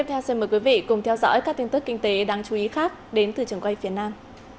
thưa quý vị cùng theo dõi các tin tức kinh tế đáng chú ý khác đến từ trường quay phía nam